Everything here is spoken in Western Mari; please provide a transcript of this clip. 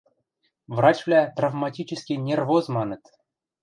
Врачвлӓ «травматический нервоз» маныт.